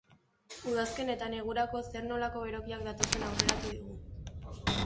Udazken eta negurako zer-nolako berokiak datozen aurreratu digu.